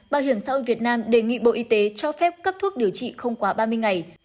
bảo hiểm xã hội việt nam đề nghị bộ y tế cho phép cấp thuốc điều trị không quá ba mươi ngày